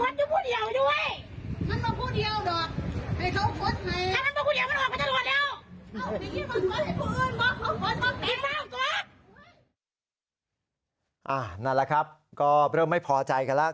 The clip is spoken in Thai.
นั่นแหละครับก็เริ่มไม่พอใจกันแล้ว